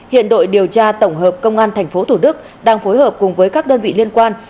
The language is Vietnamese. hiện đội điều tra tổng hợp công an tp thủ đức đang phối hợp cùng với các đơn vị liên quan